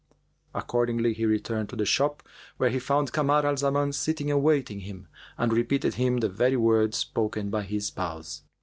'" Accordingly he returned to the shop, where he found Kamar al Zaman sitting awaiting him and repeated him the very words spoken by his spouse.